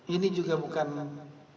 ini juga bukan